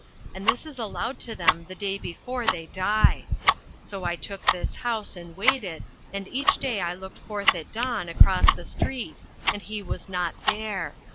And this is allowed to them the day before they die. So I took this house and waited, and each day I looked forth at dawn across the street and he was not there.